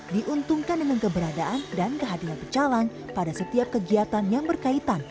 diuntungkan dengan keberadaan dan kehadiran pecalang pada setiap kegiatan yang berkaitan